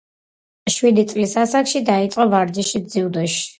შვიდი წლის ასაკში დაიწყო ვარჯიში ძიუდოში.